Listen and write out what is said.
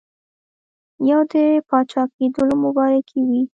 یو د پاچاکېدلو مبارکي وي.